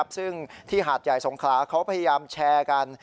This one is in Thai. ซึ่งที่หาดใหญ่สงขลาเขาพยายามแชร์กัน